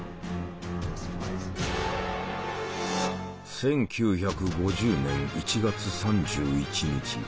１９５０年１月３１日。